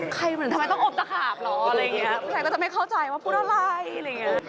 เหมือนทำไมต้องอบตะขาบเหรออะไรอย่างเงี้ยผู้ชายก็จะไม่เข้าใจว่าพูดอะไรอะไรอย่างเงี้ย